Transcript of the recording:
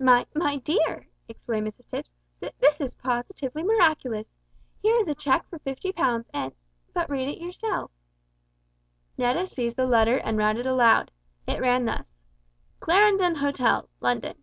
"My my dear!" exclaimed Mrs Tipps, "th this is positively miraculous. Here is a cheque for fifty pounds, and but read for yourself." Netta seized the letter and read it aloud. It ran thus: "Clarendon Hotel, London.